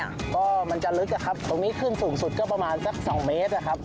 ก็มันจะลึกอะครับตรงนี้ขึ้นสูงสุดก็ประมาณสักสองเมตรนะครับ